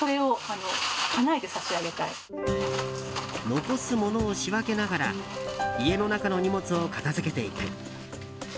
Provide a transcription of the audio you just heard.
残すものを仕分けながら家の中の荷物を片づけていく。